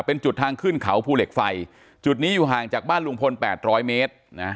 เป็นจุดทางขึ้นเขาภูเหล็กไฟจุดนี้อยู่ห่างจากบ้านลุงพลแปดร้อยเมตรนะฮะ